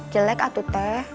jelek atut teh